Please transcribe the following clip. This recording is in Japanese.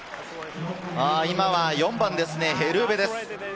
今は４番ですね、ヘル・ウヴェです。